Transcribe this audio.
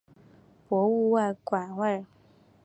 博物馆外